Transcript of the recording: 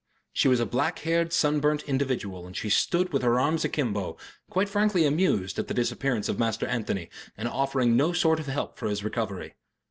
She was a black haired, sun burnt individual and she stood with her arms akimbo, quite frankly amused at the disappearance of Master Anthony, and offering no sort of help for his recovery.